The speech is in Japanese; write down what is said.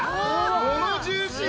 このジューシーさ！